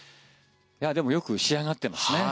でもよく仕上がってますね。